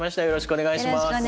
よろしくお願いします。